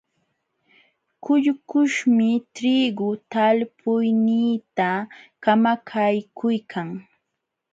Kullkuśhmi triigu talpuyniita kamakaykuykan.